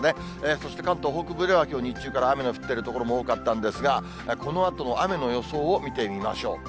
そして、関東北部ではきょう日中から雨の降ってる所も多かったんですが、このあとの雨の予想を見てみましょう。